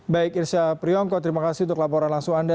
baik irsya priyongko terima kasih untuk laporan langsung anda